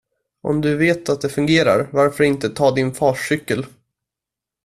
Om du vet att det fungerar, varför inte ta din fars cykel?